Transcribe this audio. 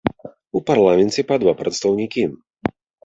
У парламенце па два прадстаўнікі.